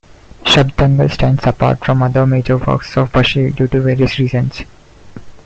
"Shabdangal" stands apart from other major works of Basheer due to various reasons.